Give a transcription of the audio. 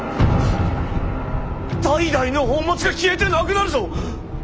代々の宝物が消えてなくなるぞ！